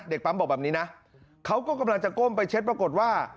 ปั๊มบอกแบบนี้นะเขาก็กำลังจะก้มไปเช็ดปรากฏว่า